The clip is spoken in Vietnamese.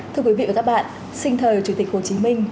thưa quý vị và các bạn sinh thời chủ tịch hồ chí minh